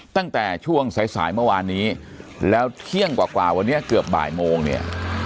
ตั้งแต่ช่วงสายสายเมื่อวานนี้แล้วเที่ยงกว่าวันนี้เกือบบ่ายโมงเนี่ย